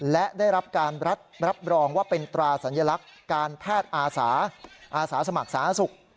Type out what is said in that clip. และได้รับการรับรองว่าเป็นตราสัญลักษณ์การแพทย์อาสาสมัครสาธารณสุข